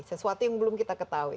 sesuatu yang belum kita ketahui